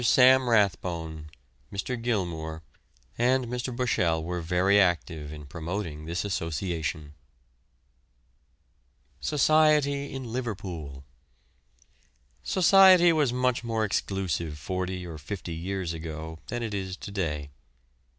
Sam Rathbone, Mr. Gilmour, and Mr. Bushell were very active in promoting this association. SOCIETY IN LIVERPOOL. Society was much more exclusive forty or fifty years ago than it is to day.